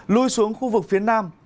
lui xuống khu vực phía nam